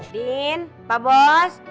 din pak bos